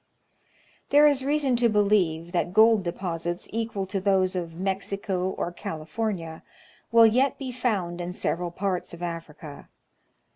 There is reason to believe that gold deposits equal to those of, Mexico or California will yet be found in several parts of Africa.